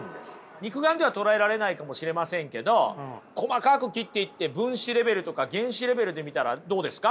肉眼では捉えられないかもしれませんけど細かく切っていって分子レベルとか原子レベルで見たらどうですか？